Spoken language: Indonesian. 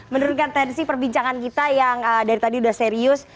menurunkan tensi perbincangan kita yang dari tadi sudah serius